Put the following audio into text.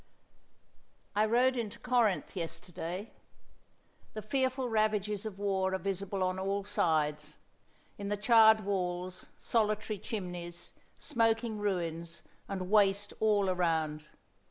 "I rode into Corinth yesterday. The fearful ravages of war are visible on all sides, in the charred walls, solitary chimneys, smoking ruins, and waste all around.